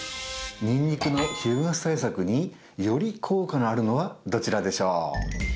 ニンニクの皮膚ガス対策により効果があるのはどちらでしょう？